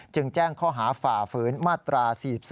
จึงแจ้งข้อหาฝ่าฝืนมาตรา๔๔